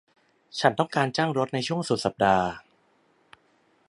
ฉันต้องการจ้างรถในช่วงสุดสัปดาห์